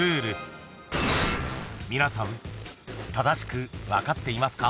［皆さん正しく分かっていますか？］